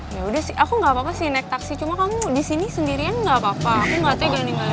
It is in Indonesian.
yaudah sih aku gak apa apa sih naik taksi cuma kamu disini sendirian gak apa apa aku gak tega nih